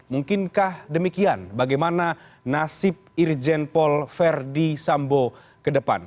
mungkinkah demikian bagaimana nasib irjen paul verdi sambo ke depan